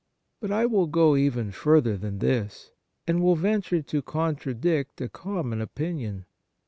But I will go even further than this, and will venture to contradict a common opinion.